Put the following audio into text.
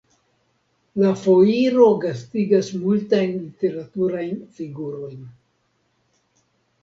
La foiro gastigas multajn literaturajn figurojn.